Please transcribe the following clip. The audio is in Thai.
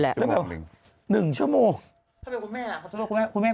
สรุปใครจะกล้าขึ้นเนอะ